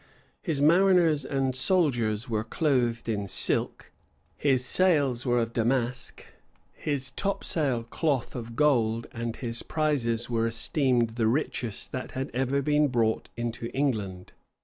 His mariners and soldiers were clothed in silk, his sails were of damask, his topsail cloth of gold; and his prizes were esteemed the richest that ever had been brought into England.